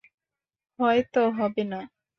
হয়ত হবে না।